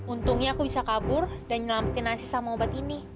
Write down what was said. untungnya aku bisa kabur dan nyelamatinasi sama obat ini